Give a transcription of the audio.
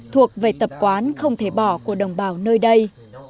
thuộc về tập quán không thể bỏ của đồng bào nơi đây